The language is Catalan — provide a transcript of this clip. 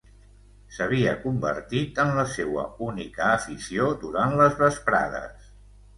S’havia convertit en la seua única afició durant les vesprades.